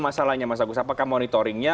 masalahnya mas agus apakah monitoringnya